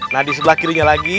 nah di sebelah kirinya lagi